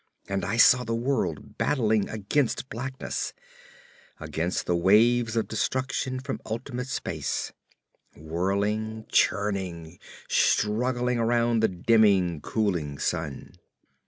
And I saw the world battling against blackness; against the waves of destruction from ultimate space; whirling, churning, struggling around the dimming, cooling sun.